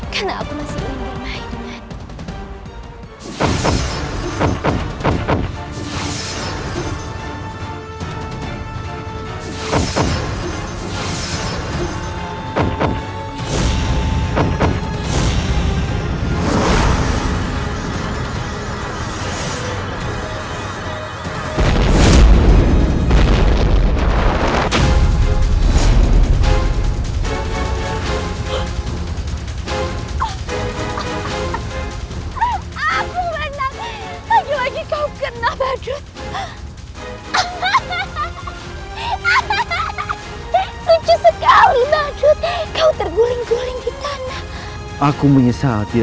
karena aku masih ingin bermain